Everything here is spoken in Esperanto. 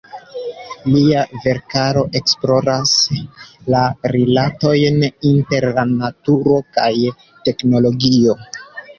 Lia verkaro esploras la rilatojn inter la naturo kaj teknologio.